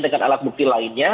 dengan alat bukti lainnya